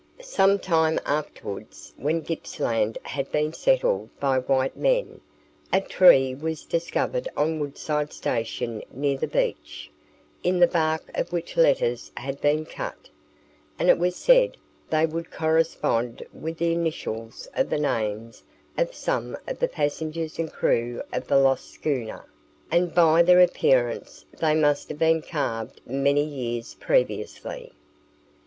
Some time afterwards, when Gippsland had been settled by white men, a tree was discovered on Woodside station near the beach, in the bark of which letters had been cut, and it was said they would correspond with the initials of the names of some of the passengers and crew of the lost schooner, and by their appearance they must have been carved many years previously.